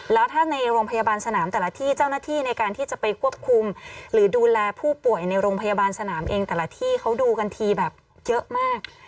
แล้วถ้าในโรงพยาบาลสนามแต่ละที่เจ้าหน้าที่ในการที่จะไปควบคุมหรือดูแลผู้ป่วยในโรงพยาบาลสนามเองแต่ละที่เขาดูกันทีแบบเยอะมาก